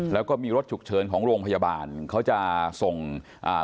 แล้วก็มีรถฉุกเฉินของโรงพยาบาลเขาจะส่งอ่า